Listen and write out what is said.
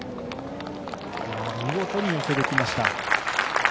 見事に寄せてきました。